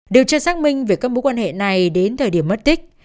điều tra xác minh về các mối quan hệ này đến thời điểm mất tích